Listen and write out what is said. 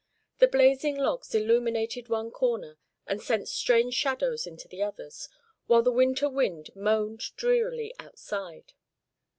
The blazing logs illuminated one corner and sent strange shadows into the others, while the winter wind moaned drearily outside.